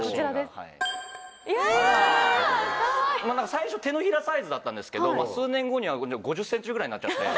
最初手のひらサイズだったんですけど数年後には５０ｃｍぐらいになっちゃって。